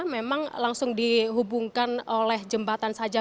memang langsung dihubungkan oleh jembatan saja